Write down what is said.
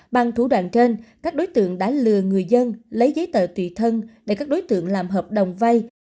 bằng thủ đoạn trên các đối tượng đã lừa người dân lấy giấy tờ tùy thân để các đối tượng làm hợp đồng vay